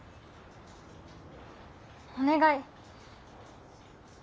お願い